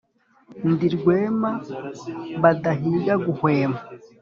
Ndi Rwema badahiga guhwema